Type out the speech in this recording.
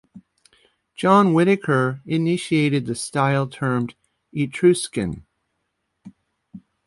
John Whitaker initiated the style termed Etruscan.